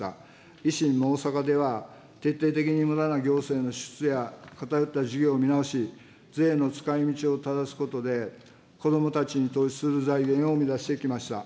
維新も大阪では徹底的にむだな行政の支出や偏った事業を見直し、税の使いみちをただすことで、子どもたちに投資する財源を生み出してきました。